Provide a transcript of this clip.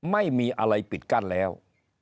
ไม่มีอะไรปิดกั้นแล้ว